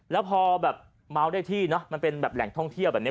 แล้วพอแบบเมาได้ที่เนอะมันเป็นแบบแหล่งท่องเที่ยวแบบนี้